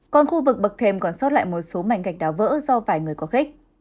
còn khu vực bậc thềm còn sót lại một số mảnh gạch đá vỡ do vài người có khích